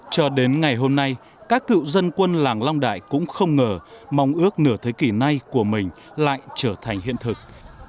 cho đến ngày hôm nay các cựu dân quân làng long đại cũng không ngờ mong ước nửa thế kỷ nay của mình lại trở thành hiện thực